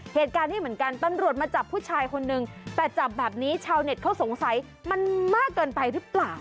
เหตุการณ์นี้เหมือนกันตำรวจมาจับผู้ชายคนนึงแต่จับแบบนี้ชาวเน็ตเขาสงสัยมันมากเกินไปหรือเปล่า